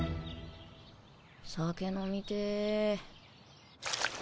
酒飲みてぇ。